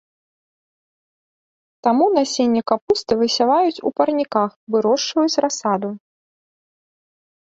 Таму насенне капусты высяваюць у парніках, вырошчваюць расаду.